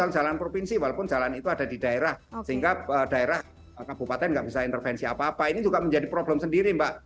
jalan provinsi walaupun jalan itu ada di daerah sehingga daerah kabupaten nggak bisa intervensi apa apa ini juga menjadi problem sendiri mbak